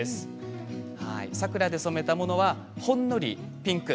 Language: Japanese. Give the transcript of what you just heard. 桜で染めたものはほんのりピンク。